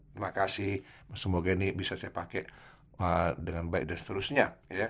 terima kasih semoga ini bisa saya pakai dengan baik dan seterusnya